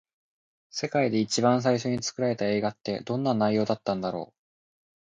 世界で一番最初に作られた映画って、どんな内容だったんだろう。